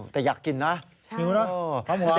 แต่อยากกินน่ะนิ้วน่ะ